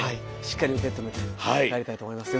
しっかり受け止めて帰りたいと思います。